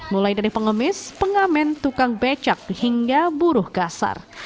mulai dari pengemis pengamen tukang becak hingga buruh kasar